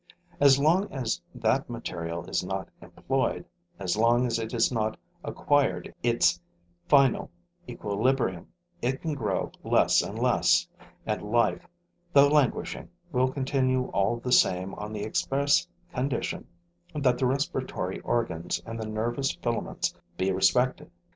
As long as that material is not employed, as long as it has not acquired its final equilibrium, it can grow less and less; and life, though languishing, will continue all the same on the express condition that the respiratory organs and the nervous filaments be respected.